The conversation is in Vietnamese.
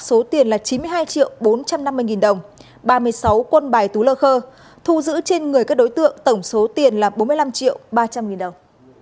số tiền là chín mươi hai triệu bốn trăm năm mươi nghìn đồng ba mươi sáu quân bài tú lơ khơ thu giữ trên người các đối tượng tổng số tiền là bốn mươi năm triệu ba trăm linh nghìn đồng